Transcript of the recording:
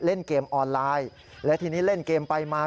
เล่นเกมออนไลน์และทีนี้เล่นเกมไปมา